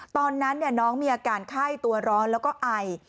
ตอนนั้นน้องมีอาการไข้ตัวร้อนแล้วก็ไอ